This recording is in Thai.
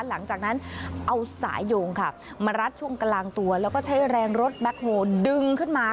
หลังจากนั้นเอาสายโยงค่ะมารัดช่วงกลางตัวแล้วก็ใช้แรงรถแบ็คโฮลดึงขึ้นมา